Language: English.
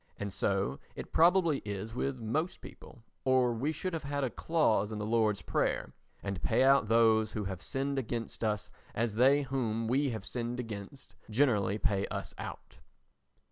And so it probably is with most people or we should have had a clause in the Lord's prayer: "And pay out those who have sinned against us as they whom we have sinned against generally pay us out."